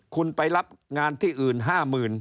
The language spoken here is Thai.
คุณไปรับงานที่อื่น๕หมื่น